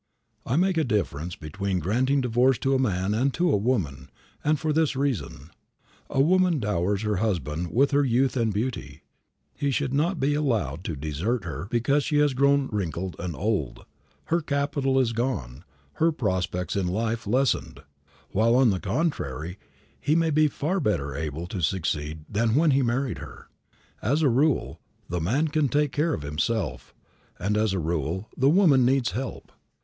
I make a difference between granting divorce to a man and to a woman, and for this reason: A woman dowers her husband with her youth and beauty. He should not be allowed to desert her because she has grown wrinkled and old. Her capital is gone; her prospects in life lessened; while, on the contrary, he may be far better able to succeed than when he married her. As a rule, the man can take care of himself, and as a rule, the woman needs help.